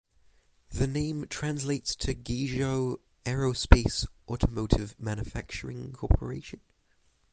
The name translates to ‘Guizhou Aerospace Automotive Manufacturing Corporation.